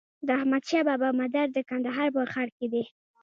د احمدشاهبابا مزار د کندهار په ښار کی دی